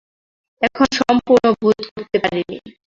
এখনো সম্পূর্ণ বোধ করতে পারি নি।